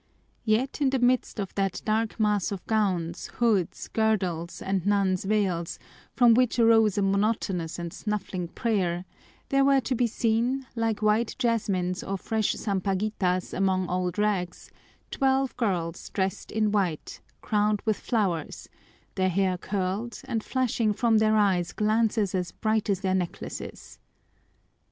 Yet in the midst of that dark mass of gowns, hoods, girdles, and nuns' veils, from which arose a monotonous and snuffling prayer, there were to be seen, like white jasmines or fresh sampaguitas among old rags, twelve girls dressed in white, crowned with flowers, their hair curled, and flashing from their eyes glances as bright as their necklaces.